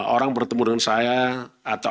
orang bertemu dengan saya atau